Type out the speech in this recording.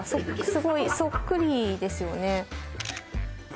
すごいそっくりですよね